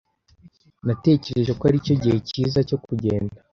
Natekereje ko aricyo gihe cyiza cyo kugenda.